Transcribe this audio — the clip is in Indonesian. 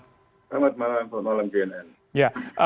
selamat malam pak malam jnn